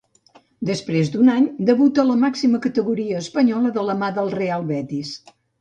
Després d'un any, debuta a la màxima categoria espanyola de la mà del Real Betis.